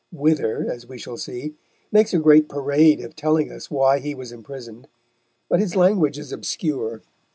Wither, as we shall see, makes a great parade of telling us why he was imprisoned; but his language is obscure.